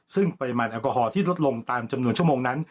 ซึ่งปริมาณแอลกอฮอลที่ลดลงตามจำนวนชั่วโมงนั้น